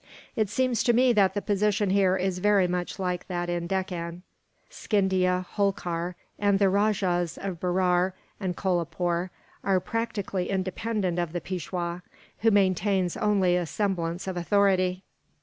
It seems to me that the position here is very much like that in the Deccan. Scindia, Holkar, and the Rajahs of Berar and Kolapoore are practically independent of the Peishwa, who maintains only a semblance of authority.